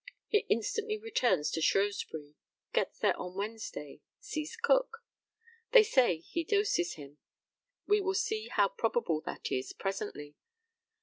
He instantly returns to Shrewsbury, gets there on Wednesday, sees Cook. They say he doses him. We will see how probable that is presently.